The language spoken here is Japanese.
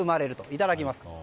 いただきます。